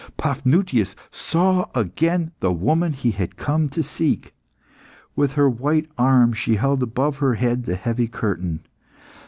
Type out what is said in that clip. Paphnutius saw again the woman he had come to seek. With her white arm she held above her head the heavy curtain.